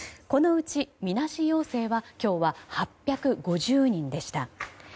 このうち、みなし陽性は今日は８５０人でした。